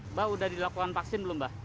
mbak udah dilakukan vaksin belum mbak